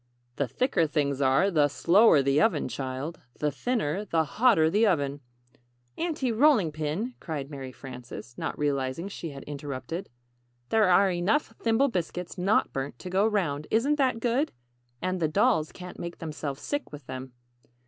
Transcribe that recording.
"The thicker things are, the 'slower' the oven, child. The thinner, the hotter the oven " [Illustration: "Oh, dear me!"] "Aunty Rolling Pin," cried Mary Frances, not realizing she had interrupted, "there are enough Thimble Biscuits not burnt to go 'round. Isn't that good? And the dolls can't make themselves sick with them."